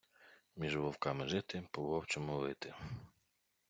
Між вовками жити, по-вовчому вити.